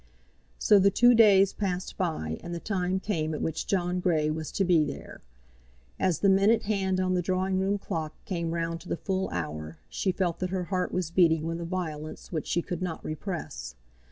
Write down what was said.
So the two days passed by and the time came at which John Grey was to be there. As the minute hand on the drawing room clock came round to the full hour, she felt that her heart was beating with a violence which she could not repress.